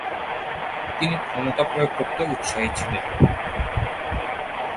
তিনি ক্ষমতা প্রয়োগ করতে উৎসাহী ছিলেন।